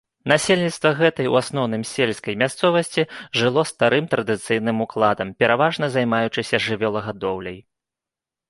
Насельніцтва гэтай, у асноўным сельскай мясцовасці, жыло старым традыцыйным укладам, пераважна займаючыся жывёлагадоўляй.